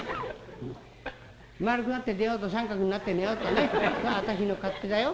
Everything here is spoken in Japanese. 「まあるくなって寝ようと三角になって寝てようとね私の勝手だよ。